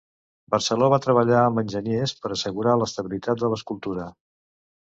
Barceló va treballar amb enginyers per assegurar l'estabilitat de l'escultura.